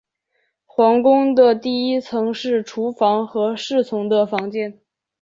皇宫的第一层是厨房和侍从的房间。